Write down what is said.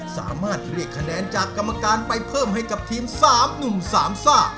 สามารถเรียกคะแนนจากกรรมการไปเพิ่มให้กับทีม๓หนุ่มสามซ่า